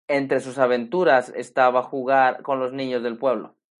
Entre sus aventuras estaba jugar con los niños del pueblo.